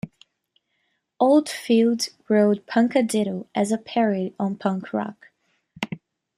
Oldfield wrote "Punkadiddle" as a parody on punk rock.